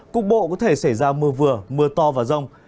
cục bộ có thể xảy ra mưa vừa mưa to và rông